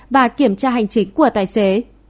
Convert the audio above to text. và kiểm tra hành chính của tài xế